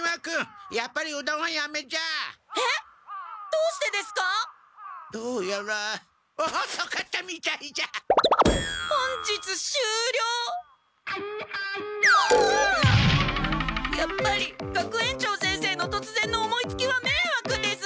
やっぱり学園長先生のとつぜんの思いつきはめいわくです。